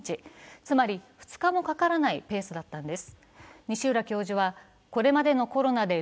つまり２日もかからないペースだったんです。